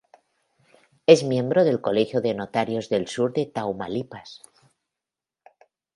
Es miembro del Colegio de Notarios del Sur de Tamaulipas.